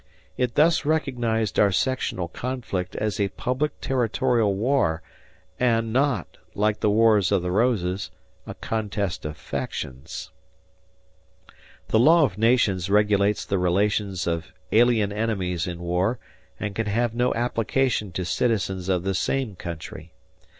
It thus recognized our sectional conflict as a public territorial war and not, like the Wars of the Roses, a contest of factions. The law of nations regulates the relations of alien enemies in war and can have no application to citizens of the same country.